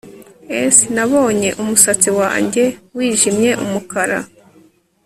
S Nabonye umusatsi wanjye wijimye umukara